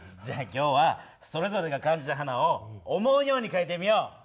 じゃ今日はそれぞれが感じた花を思うようにかいてみよう。